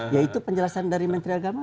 ya itu penjelasan dari menteri agama